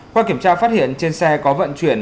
qua kiểm tra phát hiện trên xe có vận chuyển